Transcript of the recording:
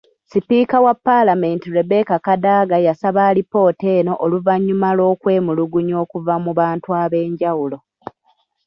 Sipiika wa palamenti Rebecca Kadaga yasaba alipoota eno oluvannyuma lw'okwemulugunya okuva mu bantu ab'enjawulo.